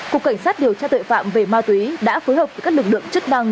cục cảnh sát điều tra tội phạm về ma túy đã phối hợp với các lực lượng chức năng